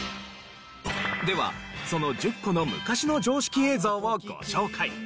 ではその１０個の昔の常識映像をご紹介。